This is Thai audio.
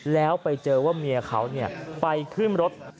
แล้วไปเจอว่าเมียเขาไปขึ้นรถ